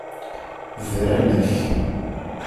Bran-ak.